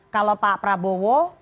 kalau pak prabowo